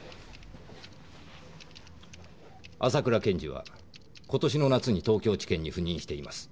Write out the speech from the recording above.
浅倉検事は今年の夏に東京地検に赴任しています。